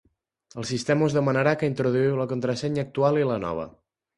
El sistema us demanarà que introduïu la contrasenya actual i la nova.